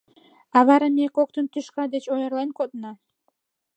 А вара ме коктын тӱшка деч ойырлен кодна.